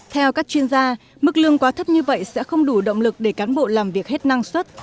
theo các chuyên gia mức lương quá thấp như vậy sẽ không đủ động lực để cán bộ làm việc hết năng suất